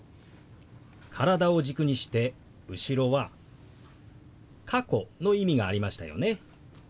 体を軸にして後ろは「過去」の意味がありましたよね。